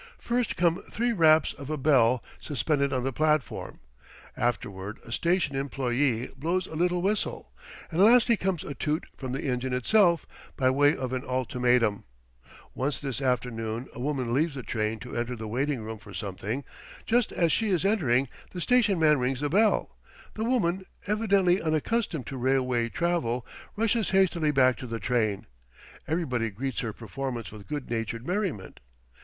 First come three raps of a bell suspended on the platform, afterward a station employe blows a little whistle, and lastly comes a toot from the engine itself, by way of an ultimatum. Once this afternoon a woman leaves the train to enter the waiting room for something. Just as she is entering, the station man rings the bell. The woman, evidently unaccustomed to railway travel, rushes hastily back to the train. Everybody greets her performance with good natured merriment.